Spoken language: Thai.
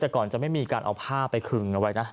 แต่ก่อนจะไม่มีการเอาผ้าไปคึงเอาไว้นะ